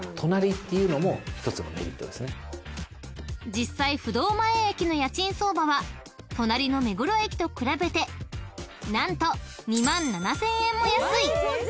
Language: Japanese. ［実際不動前駅の家賃相場は隣の目黒駅と比べて何と２万７，０００円も安い］